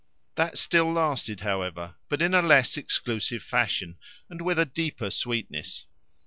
That still lasted, however, but in a less exclusive fashion and with a deeper sweetness.